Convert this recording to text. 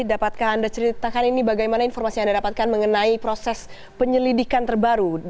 dapatkah anda ceritakan ini bagaimana informasi yang anda dapatkan mengenai proses penyelidikan terbaru